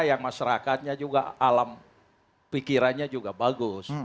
yang masyarakatnya juga alam pikirannya juga bagus